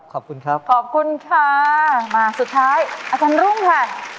ขอบคุณครับขอบคุณค่ะมาสุดท้ายอาจารย์รุ่งค่ะ